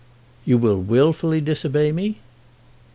"You will wilfully disobey me?"